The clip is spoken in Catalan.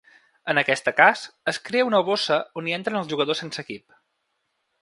En aquesta cas, es crea una bossa on hi entren els jugadors sense equip.